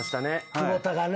久保田がね